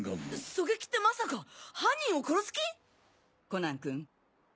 狙撃ってまさか犯人を殺す気⁉コナン君